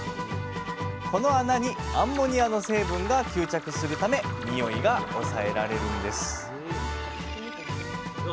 この穴にアンモニアの成分が吸着するため臭いが抑えられるんです